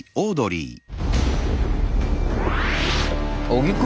荻窪？